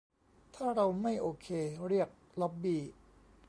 ถ้าเราไม่โอเค เรียก "ล็อบบี้"